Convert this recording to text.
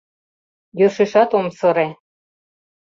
— Йӧршешат ом сырЕ.